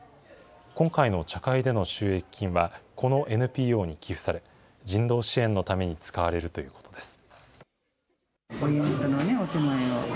今回の茶会での収益金は、このＮＰＯに寄付され、人道支援のために使われるということです。